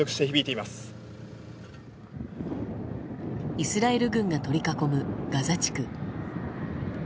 イスラエル軍が取り囲むガザ地区。